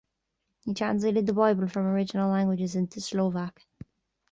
He translated the Bible from original languages into Slovak.